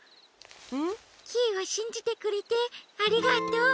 ん？キイをしんじてくれてありがとう。